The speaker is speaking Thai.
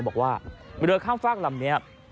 บอกว่าเรือข้ามฝากลำนี้